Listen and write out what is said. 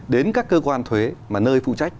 đến các cơ quan thuế mà nơi phụ trách